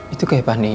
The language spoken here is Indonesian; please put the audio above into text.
itu kayak pak nino